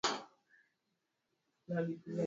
Awamu ya Magonjwa ya wanyama wadogo wa kucheua